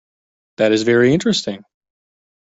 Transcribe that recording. That is very interesting.